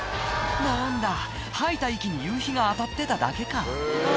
何だ吐いた息に夕日が当たってただけかあ